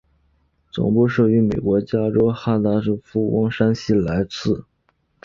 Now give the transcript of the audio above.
总部设于美国加州哈仙达岗的佛光山西来寺。